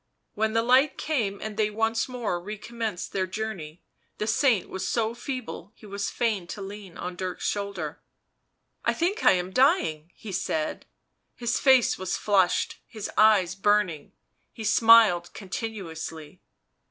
When the light came and they once more recommenced their journey the saint was so feeble he was fain to lean on Dirk's shoulder. " I think I am dying," he said ; his face was flushed,, his eyes burning, he smiled continuously.